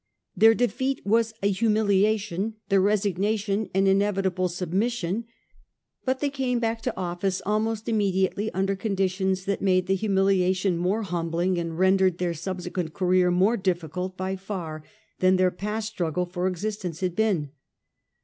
Their defeat was a humiliation ; their re signation an inevitable submission; but they came back to office almost immediately under conditions that made the humiliation more humbling,, and ren dered their subsequent career more difficult by far than their past struggle for existence had been.